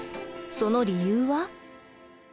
その理由は？